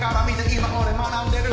今俺学んでる